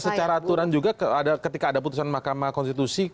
tapi mbak secara aturan juga ketika ada putusan makam konstitusi